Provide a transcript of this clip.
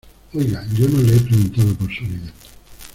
oiga, yo no le he preguntado por su vida.